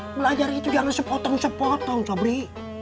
belajar itu jangan sepotong sepotong febri